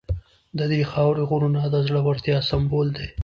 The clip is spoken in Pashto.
د دې خاورې غرونه د زړورتیا سمبول دي.